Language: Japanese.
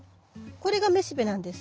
これがめしべなんです。